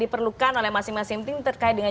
diperlukan oleh masing masing tim terkait dengan